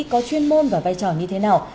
chuyên môn và vai trò như thế nào